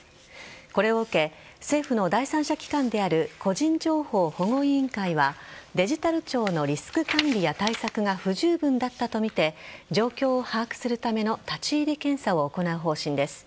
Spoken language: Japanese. これを受け政府の第三者機関である個人情報保護委員会はデジタル庁のリスク管理や対策が不十分だったとみて状況を把握するための立ち入り検査を行う方針です。